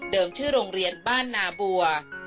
ชื่อโรงเรียนบ้านนาบัว